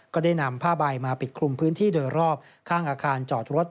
ก็ได้นำผ้าใบมาปิดคลุมพื้นที่โดยรอบข้างอาคารจอดรถ